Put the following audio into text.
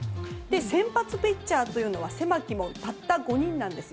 先発ピッチャーは狭き門、たった５人なんです。